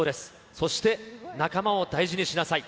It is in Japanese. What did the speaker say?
そして、仲間を大事にしなさい。